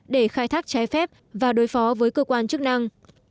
để khai thác trái phép và đối phó với cơ quan chức năng